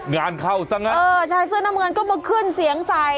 งานเข้าซะงั้นเออชายเสื้อน้ำเงินก็มาขึ้นเสียงใส่